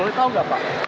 boleh tahu nggak pak